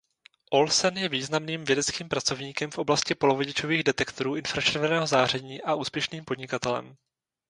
Olsen je významným vědeckým pracovníkem v oblasti polovodičových detektorů infračerveného záření a úspěšným podnikatelem.